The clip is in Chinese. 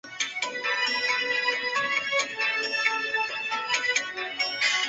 大眼壮灯鱼为辐鳍鱼纲灯笼鱼目灯笼鱼科壮灯鱼属的鱼类。